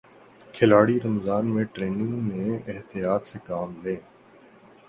کھلاڑی رمضان میں ٹریننگ میں احتیاط سے کام لیں